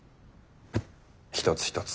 一つ一つ